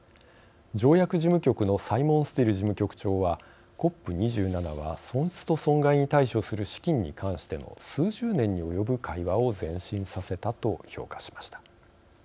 条約事務局のサイモン・スティル事務局長は「ＣＯＰ２７は損失と損害に対処する資金に関しての数十年に及ぶ会話を前進させた」と評価しました。